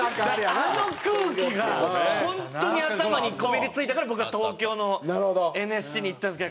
あの空気が本当に頭にこびり付いたから僕は東京のＮＳＣに行ったんですけど。